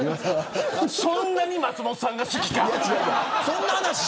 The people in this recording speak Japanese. そんなに松本さんが好きか。